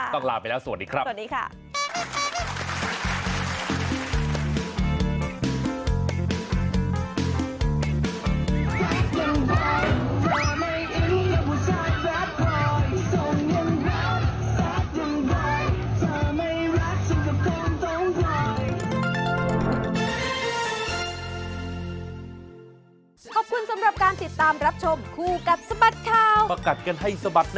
ต้องลาไปแล้วสวัสดีครับ